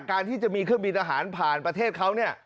ที่จะมีเครื่องบินทหารผ่านประเทศเขาเนี่ย